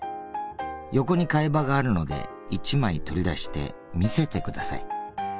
横に替え刃があるので一枚取り出して見せてください。